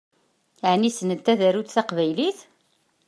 Ɛni ssnent ad arunt taqbaylit?